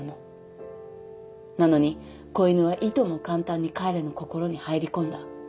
なのに子犬はいとも簡単に彼の心に入り込んだ。